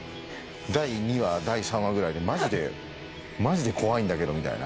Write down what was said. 第２話第３話ぐらいでマジでマジで怖いんだけどみたいな。